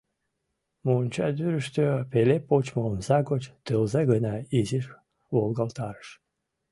Мончадӱрыштӧ пеле почмо омса гоч тылзе гына изиш волгалтарыш.